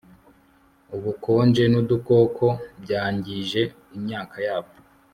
Ubukonje nudukoko byangije imyaka yabo